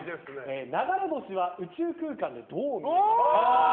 流れ星は宇宙空間でどう見えますか？という。